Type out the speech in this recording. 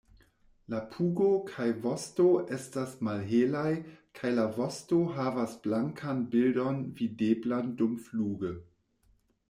La pugo kaj vosto estas malhelaj, kaj la vosto havas blankan bildon videblan dumfluge.